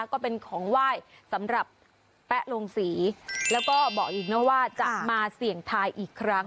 ก็เป็นของไหว้สำหรับแป๊ะลงศรีแล้วก็บอกอีกนะว่าจะมาเสี่ยงทายอีกครั้ง